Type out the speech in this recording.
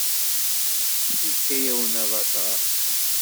Yefka-yawen abadaṛ.